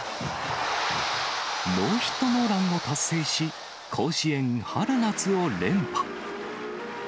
ノーヒットノーランを達成し、甲子園春夏を連覇。